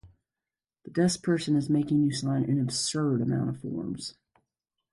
The deskperson is making you sign an absurd amount of forms.